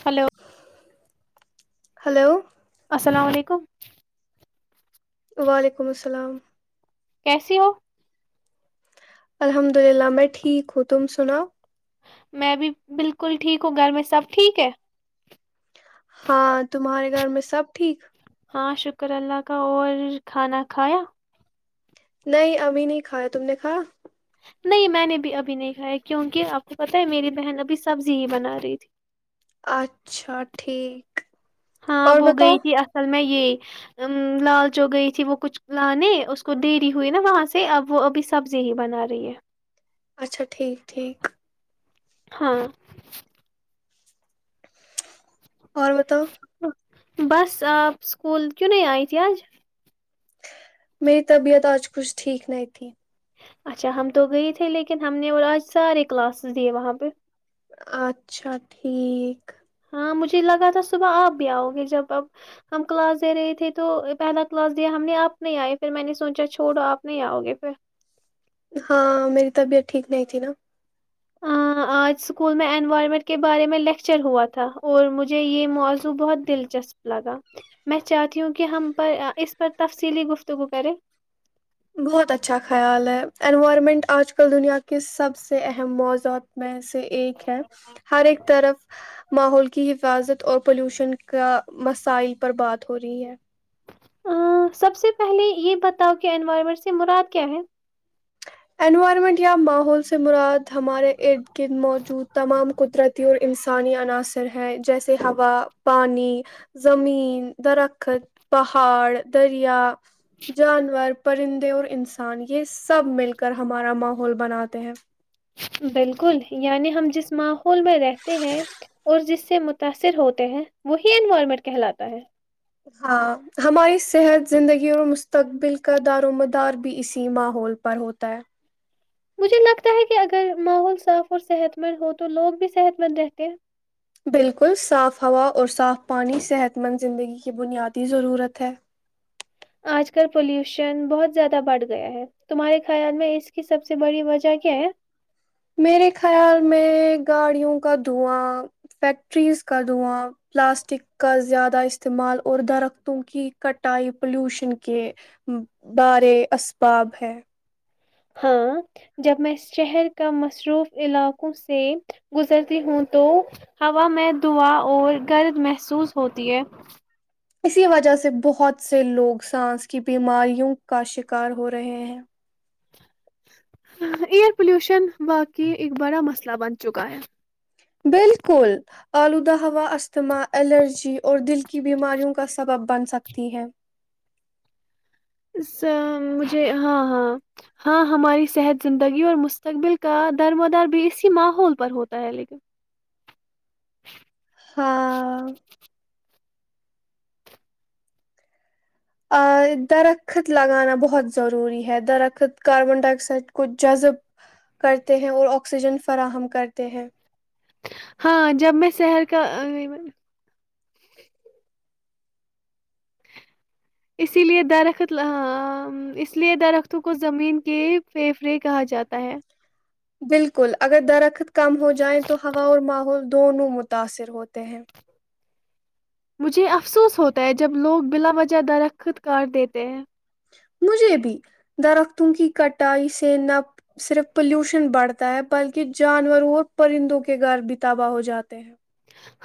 Hello [inaudible] hello [inaudible] السلام علیکم [unintelligible] وعلیکم السلام [unintelligible] کیسی ہو [inaudible] الحمد للہ میں ٹھیک ہوں تم سناؤ میں بھی بالکل ٹھیک ہوں گھر میں سب ٹھیک ہے ہاں تمہارے گھر میں سب ٹھیک ہاں شکر اللہ کا اور کھانا کھایا نہیں ابھی نہیں کھایا تم نے کھا نہیں میں نے بھی ابھی نہیں کھایا کیونکہ آپ کو پت ہے میری بہن ابھی سبزی ہی بنا رہی تھی اچھا ٹھیک ہاں اور وہ بتاؤ گئی تھی اصل میں یہ ا لال جو گئی تھی وہ کچھ لانے اس کو دری ہوئی نا وہاں سے اب وہ ابھی سبزی ہی بنا رہی ہے اچھا ٹھیک ٹھیک ہاں اور بتاؤ بس آپ اسکول کیوں نہیں آئی تھی آج میری طبیعت آج کچھ ٹھیک نہیں تھی اچھا ہم تو گئے تھے لیکن ہم نے اور آج سارے کلاسز دیے وہاں پہ اچھا ٹھیک ہاں مجھے لگا تھا صبح آپ بھی آؤ گے جب اب ہم کلاس دے رہے تھے تو پہلا کلاس دیا ہم نے آپ نہیں آئے پھر میں نے سوچا چھوڑو آپ نہیں آؤ گے پھر ہاں میری طبیعت ٹھیک نہیں تھی نا آج اسکول میں انوائرمنٹ کے بارے میں لیکچر ہوا تھا اور مجھے یہ موضوع بہت دلچسپ لگا میں چاہتی ہوں کہ ہم پر اس پر تفصیلی گفتگو کرے بہت اچھا خیال ہے انوائرمنٹ آج کل دنیا کا کے سب سے اہم موضوعات میں سے ایک ہے ہر ایک طرف ماحول کی حفاظت اور پلیوشن کا مسائل پر بات تھوڑی ہے سب سے پہلے یہ بتاؤ کہ انوائرمنٹ سے مراد کیا ہے انوائرمنٹ یا ماحول سے مراد ہمارے ارد گرد موجود تمام قدرتی اور انسان آسانی عناصر ہیں جیسے ہوا پانی زمین درخت پہاڑ دریا جانور پرندے اور انسان یہ سب مل کر کر ہمارا ماحول بناتے ہیں بالکل یعنی ہم جس ماحول میں رہتے ہیں اور جس سے متاثر ہوتے ہیں وہی انوائرمنٹ کہلاتا ہے ہاں ہماری صحت زندگی اور مستقبل کا دار و مدار بھی اسی ماحول پر ہوتا ہے مجھے لگتا ہے کہ اگر ماحول صاف اور صحت مند ہو تو لوگ بھی صحت مند رہتے ہیں بالکل صاف ہوا اور صاف پانی صحت مند زندگی کی بنیادی ضرورت ہے آج کل پولوشن بہت زیادہ بڑھ گیا ہے تمہارے خیال میں اس کی سب سے بڑی وجہ کیا ہے میرے خیال میں گاڑیوں کا دھواں فیکٹریز کا دھواں پلاسٹک کا زیادہ استعمال اور درختوں کی کٹائی پلیوشن کے بارے اسباب ہے ہاں جب میں شہر کا مصروف علاقوں سے گزرتی ہوں تو ہوا میں دعا اور گرد محسوس ہوتی ہے اسی وجہ سے بہت سے لوگ سانس کی بیماریوں کا شکار ہو رہے ہیں ایئر پولوشن واقع ایک بڑا مسئلہ بن چکا ہے بالکل آلودہ ہوا اجتھما الرجی اور دل کی بیماریوں کا سبب بن سکتی ہے مجھے ہاں ہاں ہاں ہماری صحت زندگی اور مستقبل کا درمدار بھی اسی ماحول پر ہوتا ہے لیکن ہاں آ درخت لگانا بہت ضروری ہے درخت کاربن ڈائی آکسائڈ کو جذب کرتے ہیں اور آکسیجن فراہم کرتے ہیں ہاں جب میں شہر کا اسی لیے درخت ہاں اس لیے درختوں کو زمین کے پھیپھڑے کہا جاتا ہے بالکل اگر درخت کم ہو جائے تو ہوا اور ماحول دونوں متاثر ہوتے ہیں مجھے افسوس ہوتا ہے جب لوگ بلا وجہ درخ خود کار دیتے ہیں مجھے بھی درختوں کی کٹائی سے نہ صرف پولوشن بڑھتا ہے بلکہ جانوروں اور پرندوں کے گھر بھی تباہ ہو جاتے ہیں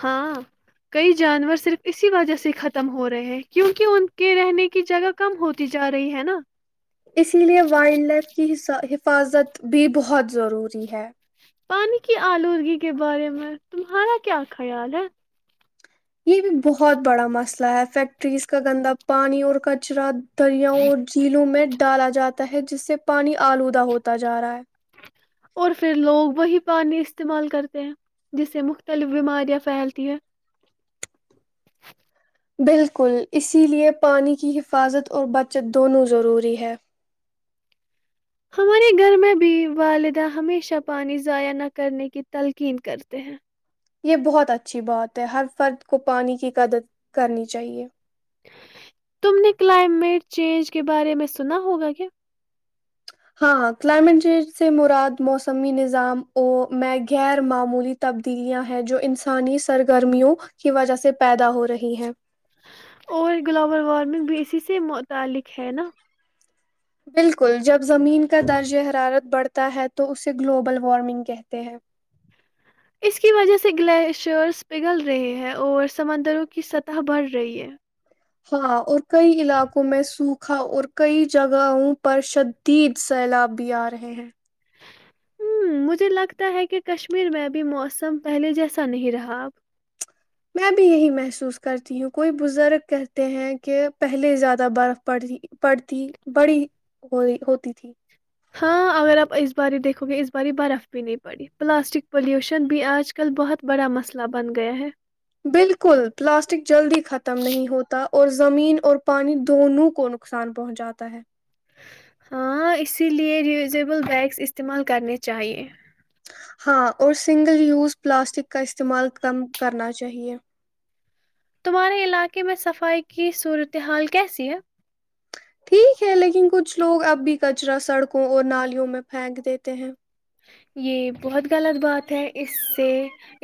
ہاں کئی جانور صرف اسی وجہ سے ختم ہو رہے ہیں کیونکہ ان کے رہنے کی جگہ کم ہوتی جا رہی ہے نا اسی لیے وائلڈ لائف کی حفاظت بھی بہت ضروری ہے پانی کی آلودگی کے بارے میں تمہارا کیا خیال ہے یہ بھی بہت بڑا مسئلہ تا ہے فیکٹریز کا گندا پانی اور کچرا دریاؤں اور جھیلوں میں ڈالا جاتا ہے جس سے پانی آلودہ ہوتا جا رہا ہے اور پھر لوگ وہی پانی استعمال کرتے ہیں جس سے مختلف بیماریاں پھیلتی ہیں بالکل اسی لیے پانی کی حفاظت اور بچت دونوں ضروری ہے [unintelligible] ہمارے گھر میں بھی والدہ ہمیشہ پانی ضائع نہ کرنے کی تلقین کرتے ہیں یہ بہت اچھی بات ہے ہر فرد کو پانی کی قدر کرنی چاہیے تم نے کلائمیٹ چینج کے بارے میں سنا ہوگا کیا ہاں ہاں کلائمیٹ چینج سے مراد موسمی نظام او میں غیر معمولی تبدیلیاں ہیں جو انسانی سرگرمیوں کی وجہ سے پیدا ہو رہی ہیں اور گلوبل وارمنگ بھی کسی سے متعلق ہے نا بالکل جب زمین کا درجہ حرارت بڑھتا ہے تو اسے گلوبل وارمنگ کہتے ہیں اس کی وجہ سے گلیشرس پگھل رہے ہیں اور سمندروں کی سطح بڑھ رہی ہے ہاں اور کئی علاقوں میں سوکھ اور کئی جگہوں پر شدید سیلاب بھی آ رہے ہیں ہ مجھے لگتا ہے کہ کشمیر میں ابھی موسم پہلے جیسا نہیں رہا اب میں بھی یہی محسوس کرتی ہوں کوئی بزرگ کہتے ہیں کہ پہلے زیادہ برف پڑی پڑتی بڑی ہوی ہوتی تھی ہاں اگر آپ اس بار دیکھو گے اس باری برف بھی نہیں پڑی پلاسٹک پلیوشن بھی آج کل بہت بڑا مسئلہ بن گیا ہے بالکل پلاسٹک جلدی ختم نہیں ہوتا اور زمین اور پانی دونوں کو نقصان پہنچاتا ہے ہاں اسی لیے ریوزیبل بیگس استعمال کرنے چاہیے ہاں اور سنگل یوز پلاسٹک کا استعمال کم کرنا چاہیے تمہارے علاقے میں صفائی کی صورتحال کیسی ہے ٹھیک ہے لیکن کچھ لوگ اب بھی کچرا سڑکوں اور نالیوں میں پھینک دیتے ہیں یہ بہت غلط بات ہے اس سے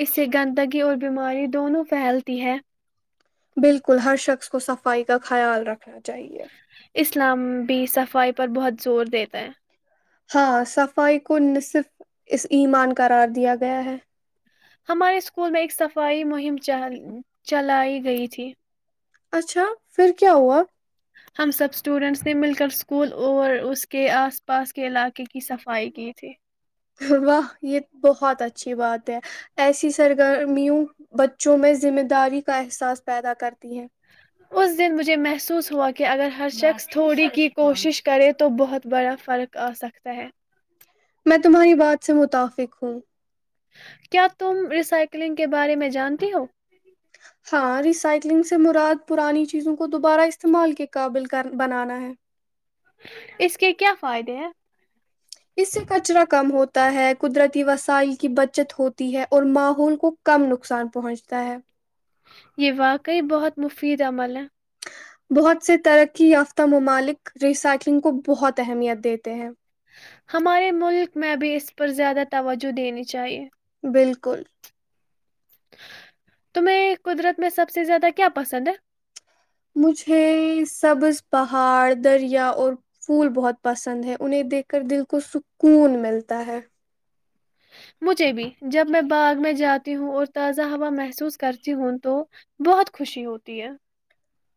اس سے گندگی اور بیماری دونوں پھیلتی ہے بالکل ہر شخص کو صفائی کا خیال رکھنا چاہیے اسلام بھی صفائی پر بہت زور دیتا ہے [unintelligible] ہاں صفائی کو نہ صرف اس ایمان قرار دیا گیا ہے ہمارے اسکول میں ایک صفائی مہم چلائی گئی تھی اچھا پھر کیا ہوا ہم سب اسٹوڈینٹس نے مل کر اسکول اور اس کے آس پاس کے علاقے کی صفائی کی تھی واہ یہ بہت اچھی بات ہے ایسی سرگرمیوں بچوں میں ذمہ داری کا احساس پیدا کرتے اس دن مجھے محسوس ہوا کہ کہ اگر ہر شخص تھوڑی کی کوشش کرے تو بہت بڑا فرق آ سکتا ہے میں تمہاری بات سے متفق ہوں کیا تم ریسائکلنگ کے بارے میں جانتی ہو؟ ہاں ریسائیکلنگ سے مراد پرانی چیزوں کو دوبارہ استعمال کے قابل بنانا ہے اس کے کیا فائدے ہیں؟ اس سے کچرا کم ہوتا ہے قدرتی وسائل کی بچت ہوتی ہے اور ماحول کو کم نقصان پہنچتا ہے یہ واقعی بہت مفید عمل ہے بہت سے ترقی یافتہ ممالک ریسائکلنگ کو بہت اہمیت دیتے ہیں ہمارے ملک میں اب اس پر زیادہ توجہ دینی چاہیے بالکل تمہیں قدرت میں سب سے زیادہ کیا پسند ہے مجھے سبز پہاڑ دریا اور پھول بہت پسند ہے انہیں دیکھ کر دل کو سکون ملتا ہے مجھے بھی جب میں باغ میں جاتی ہوں اور تازہ ہوا محسوس کرتی ہوں تو بہت خوشی ہوتی ہے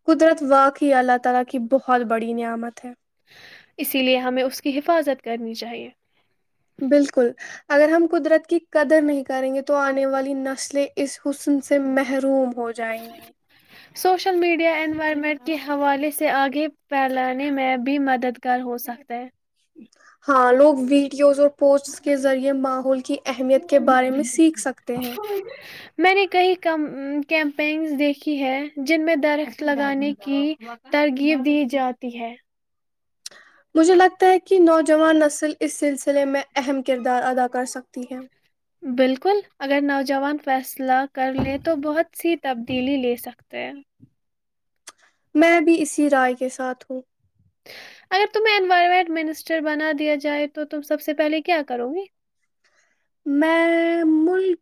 قدرت وااک ہی اللہ تعا لا کی بہت بڑی نعمت ہے اسی لیے ہمیں اس کی حفاظت کرنی چاہیے بالکل اگر ہم قدرت کی قدر نہیں کریں گے تو آنے والی نسلیں اس حسن سے محروم ہو جائیں گی سوشل میڈیا اینڈوائ ہیمٹ کے حوالے سے آگے پھیلانے میں بھی مددگار ہو سکتا ہے ہاں لوگ ویڈیوز اور پوسٹس کے ذریعے ماحول کی اہمیت کے بارے میں سیکھ سکتے ہیں میں نے کئیم کیمپینگز دیکھی ہے جن میں درخت لگانے کی ترغیب دی جاتی ہے مجھے لگتا ہے کہ نوجوان نسل اس سلسلے میں اہم کردار ادا کر سکتا بالکل اگر نو جوان فیصلہ کر لیں تو بہت سی تبدیلی لے سکتے ہیں میں بھی اسی رائے کے ساتھ ہوں اگر تمہیں انوائرمنٹ منسٹر بنا دیا جائے تو تم سب سے پہلے کیا کرو گی میں ملک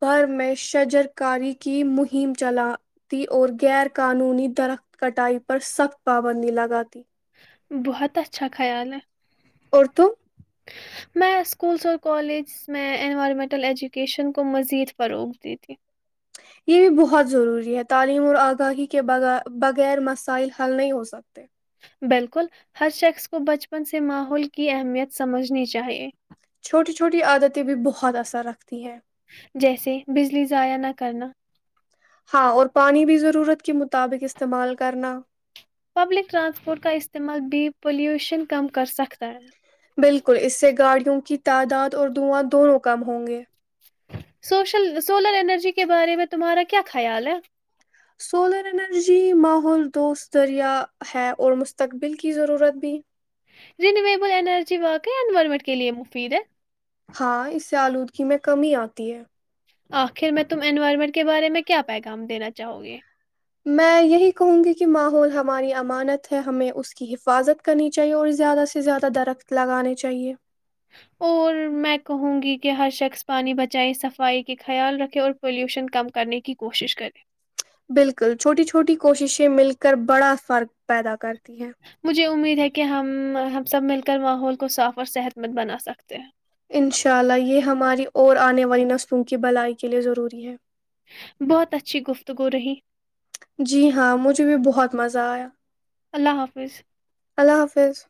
بھر میں شجر کاری کی مہم چلاتی اور غیر قانونی درخت کٹائی پر سخت پابندی لگاتی بہت اچھا خیال ہے اورر تو میں اسکولس اور کالجز میں انوائرمنٹل ایجوکیشن کو مزید فروغ دی تھی یہ بھی بہت ضروری ہے تعلیم اور آگاہی کے بغیر مسائل حل نہیں ہو سکتے بالکل ہر شخص کو بچپن سے ماحول کی اہمیت سمجھنی چاہیے چھوٹی چھوٹی عادتیں بھی بہت اثر رکھتی ہیں جیسے بجلی ضائع نہ کرنا ہاں اور پانی بھی ضرورت کے مطابق استعمال کرنا پبلک ٹرانسپورٹ کا استعمال بھی پلیوشن کم کر سکتا ہے بالکل اس سے گاڑیوں کی تعداد اور داں دونوں کم ہوں گے سوشل سولر انرجی کے بارے میں تمہارا کیا خیال ہے سولر انرجی ماحول دوست دذریہ ہے اور مستقبل کی ضرورت بھی رینیویبل انرجی واقع انوائرمنٹ کے لیئے مفید ہے ہاں اس سے آلودگی میں کمی آتی ہے آخر میں تم انوائرمنٹ کے بارے میں کیا پیغام دینا چاہو گے میں یہی کہوں گی کہ ماحول ہماری امانت ہے ہمیں اس کی حفاظت کرنی چاہیے اور زیادہ سے زیادہ درخت لگانے چاہیے اور میں کہوں گی کہ ہر شخص پانی بچائیں صفائی کا خیال رکھے اور پلیوشن کم کرنے کی کوشش کریں بالکل چھوٹی چھوٹی کوششیں مل کر بڑا فرق پیدا کر مجھے امید ہے کہ ہم ہم سب مل کر ماحول کو صاف اور صحت مند بنا سکتے ہیں انشاء اللہ یہ ہماری اور آنے والی نسلوں کی بلائی کے لیے ضروری ہے بہت اچھی گفتگو رہی ت مز آایا اللہ حافظ حافظ